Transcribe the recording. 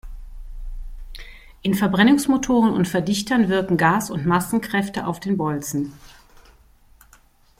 In Verbrennungsmotoren und Verdichtern wirken Gas- und Massenkräfte auf den Bolzen.